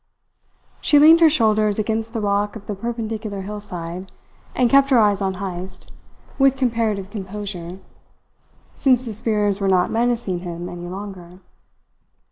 She leaned her shoulders against the rock of the perpendicular hillside and kept her eyes on Heyst, with comparative composure, since the spears were not menacing him any longer.